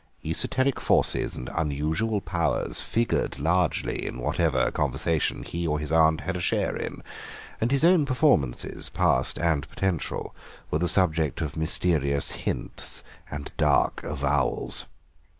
Esoteric forces and unusual powers figured largely in whatever conversation he or his aunt had a share in, and his own performances, past and potential, were the subject of mysterious hints and dark avowals.